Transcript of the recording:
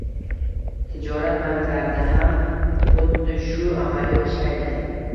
Tijorat banklarida ham huddi shu amaliyot ishlaydi.